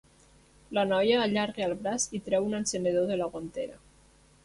La noia allarga el braç i treu un encenedor de la guantera.